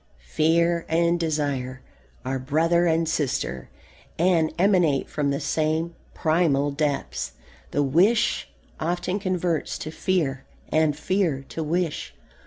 Fear and desire are brother and sister and emanate from the same primal depths. The wish often converts to fear and fear to wish.